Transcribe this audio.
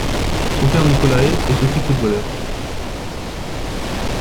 Son père Nicolae est aussi footballeur.